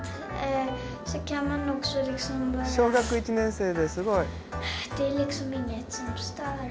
小学１年生ですごい。